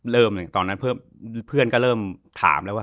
เริ่มเลยตอนนั้นเพื่อนก็เริ่มถามแล้วว่า